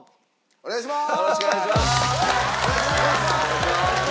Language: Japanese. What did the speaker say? お願いします。